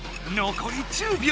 残り１０秒！